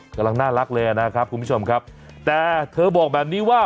กำลังน่ารักเลยนะครับคุณผู้ชมครับแต่เธอบอกแบบนี้ว่า